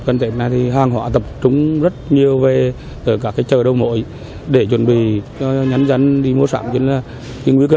gần đây hàng họa tập trung rất nhiều về các cái chợ đồng hội để chuẩn bị nhắn dắn đi mua sản nguy cơ